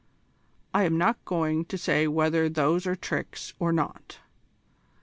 I am not going to say whether those are tricks or not.